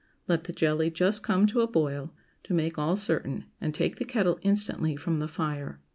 Let the jelly just come to a boil, to make all certain, and take the kettle instantly from the fire.